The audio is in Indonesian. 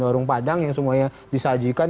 warung padang yang semuanya disajikan